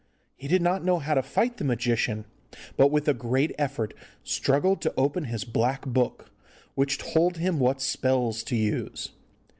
He did not know how to fight the magician, but with a great effort struggled to open his Black Book, which told him what spells to use.